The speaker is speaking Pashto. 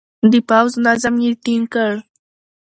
د پوځ نظم يې ټينګ کړ.